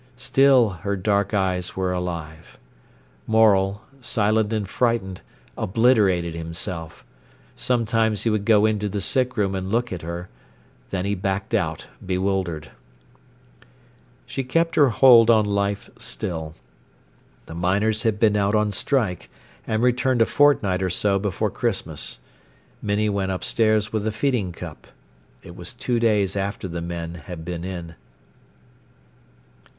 Still her dark eyes were alive. Morel, silent and frightened, obliterated himself. Sometimes he would go into the sick room and look at her. Then he backed out, bewildered. She kept her hold on life still. The miners had been out on strike, and returned a fortnight or so before Christmas. Minnie went upstairs with the feeding cup. It was two days after the men had been in.